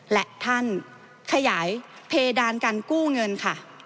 และท่านขยายเพดานการกู้เงินค่ะ